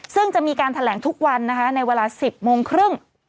ซึ่งจะมีการแถลงทุกวันนะคะในเวลา๑๐โมงครึ่ง